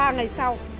ba ngày sau